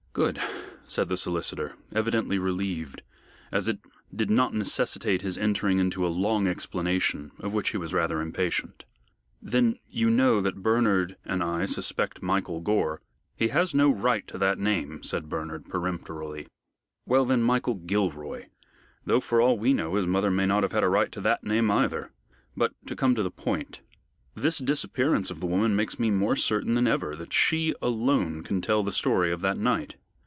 "Good," said the solicitor, evidently relieved, as it did not necessitate his entering into a long explanation, of which he was rather impatient. "Then you know that Bernard and I suspect Michael Gore " "He has no right to that name," said Bernard, peremptorily. "Well, then, Michael Gilroy, though for all we know his mother may not have a right to that name either. But to come to the point. This disappearance of the woman makes me more certain than ever that she alone can tell the story of that night."